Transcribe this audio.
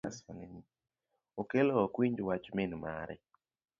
Okelo ok winj wach min mare